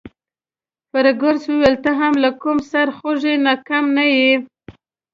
فرګوسن وویل: ته هم له کوم سرخوږي نه کم نه يې.